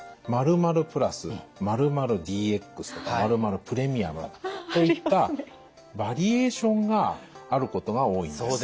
「○○プラス」「○○ＥＸ」とか「○○プレミアム」といったバリエーションがあることが多いんです。